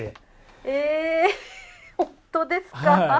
えー、本当ですか。